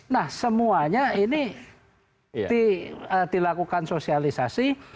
nah semuanya ini dilakukan sosialisasi